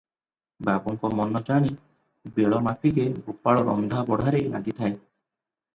ବାବୁଙ୍କ ମନ ଜାଣି ବେଳ ମାଫିକେ ଗୋପାଳ ରନ୍ଧା ବଢ଼ାରେ ଲାଗିଥାଏ ।